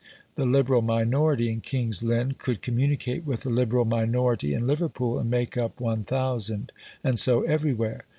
The Liberal minority in King's Lynn could communicate with the Liberal minority in Liverpool, and make up 1000; and so everywhere.